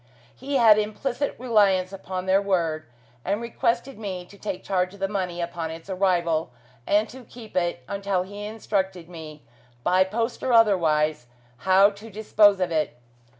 He had implicit reliance upon their word, and requested me to take charge of the money upon its arrival, and to keep it until he instructed me, by post or otherwise, how to dispose of it.